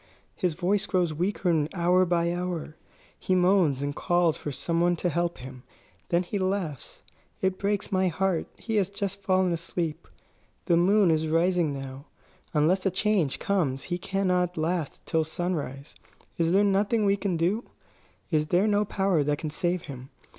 His voice grows weaker hour by hour. He moans and calls for some one to help him; then he laughs. It breaks my heart. He has just fallen asleep. The moon is rising now. Unless a change comes he cannot last till sunrise. Is there nothing we can do? Is there no power that can save him?